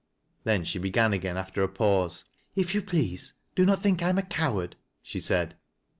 Then she began again, after a pause. " If you please, do not think I am a coward," she said.